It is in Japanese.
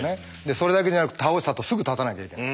それだけではなく倒したあとすぐ立たなきゃいけない。